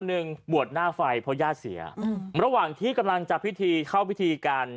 หนึ่งบวชหน้าไฟเพราะญาติเสียอืมระหว่างที่กำลังจัดพิธีเข้าพิธีการ